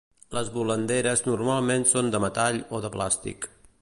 Les volanderes normalment són de metall o de plàstic.